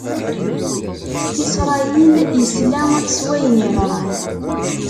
Isṛayil isla s wayen yeḍran.